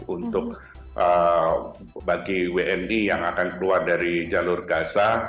untuk bagi wni yang akan keluar dari jalur gaza